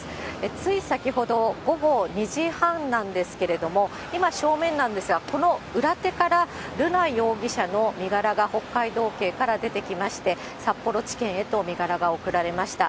つい先ほど、午後２時半なんですけれども、今、正面なんですが、この裏手から、瑠奈容疑者の身柄が北海道警から出てきまして、札幌地検へと身柄が送られました。